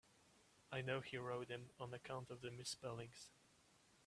I know he wrote them on account of the misspellings.